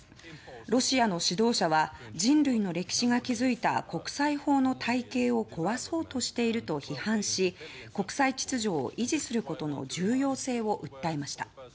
ロシアの指導者は人類の歴史が築いた国際法の体系を壊そうとしていると批判し国際秩序を維持することの重要性を訴えました。